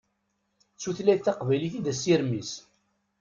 D tutlayt taqbaylit i d asirem-is.